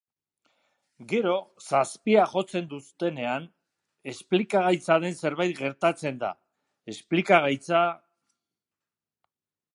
Gero, zazpiak jotzen dutenean, esplikagaitza den zerbait gertatzen da, esplikagaitza...